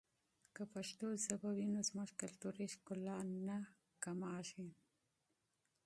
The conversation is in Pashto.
که پښتو ژبه وي نو زموږ کلتوري ښکلا نه پیکه کېږي.